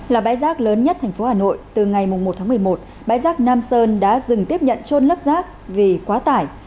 là bãi giác lớn nhất thành phố hà nội từ ngày một tháng một mươi một bãi giác nam sơn đã dừng tiếp nhận trôn lớp giác vì quá tải